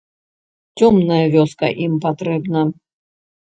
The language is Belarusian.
Цёмная вёска ім патрэбна.